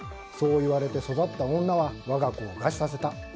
そう言われて育った女は我が子を餓死させた。